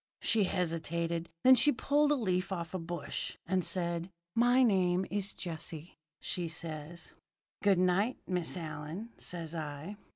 "She hesitated. Then she pulled a leaf off a bush, and said: "'My name is Jessie,' says she. "'Good night, Miss Allyn,' says I.